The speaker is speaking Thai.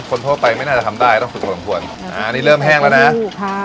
คนโทษไปไม่น่าจะทำได้ต้องฝึกผลังผ่วนอ่านี่เริ่มแห้งแล้วน่ะค่ะ